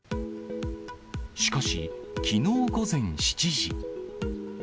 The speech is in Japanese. しかし、きのう午前７時。